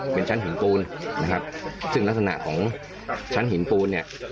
เป็นชั้นหินปูนนะครับซึ่งลักษณะของชั้นหินปูนเนี่ย